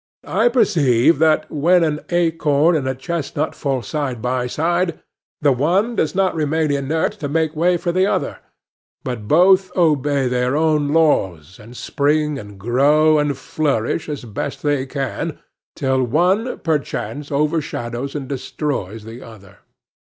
I perceive that, when an acorn and a chestnut fall side by side, the one does not remain inert to make way for the other, but both obey their own laws, and spring and grow and flourish as best they can, till one, perchance, overshadows and destroys the other.